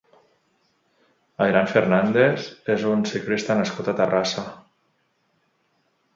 Airán Fernández és un ciclista nascut a Terrassa.